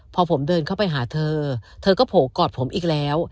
พอผมเดินเข้าไปหาเธอเธอก็โผล่กอดผมอีกแล้ว